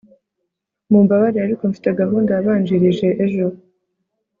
Mumbabarire ariko mfite gahunda yabanjirije ejo